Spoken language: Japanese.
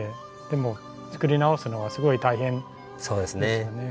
でも作り直すのはすごい大変ですよね。